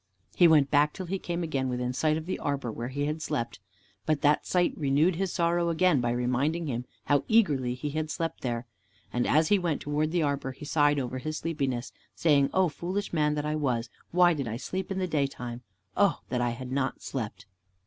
He went back till he came again within sight of the arbor where he had sat and slept, but that sight renewed his sorrow again, by reminding him how eagerly he had slept there. And as he went towards the arbor, he sighed over his sleepiness, saying, "Oh, foolish man that I was, why did I sleep in the daytime? oh, that I had not slept."